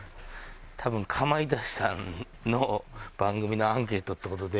多分かまいたちさんの番組のアンケートって事で。